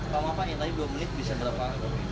kalau ngapain tadi belum lift bisa berapa